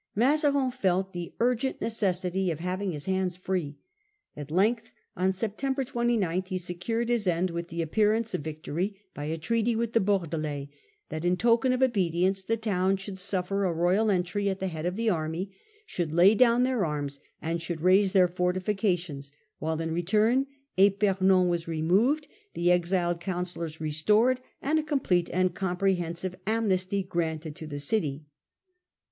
Mazarin felt the urgent necessity of having his hands free. At length, on September 29, he secured his end with the appearance of victory, by a treaty with the Bordelais that, in token of obedience, the town should suffer a royal entry at the head of the army, should A reem ky ^ own *heir arms, and should raze their wgreemen fortifications; while in return Epernon was Bordeaux. rem0 ved, the exiled councillors restored, and a complete and comprehensive amnesty granted to the city.